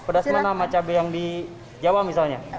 pedas mana sama cabai yang di jawa misalnya